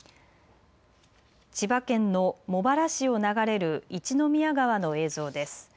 千葉県の茂原市を流れる一宮川の映像です。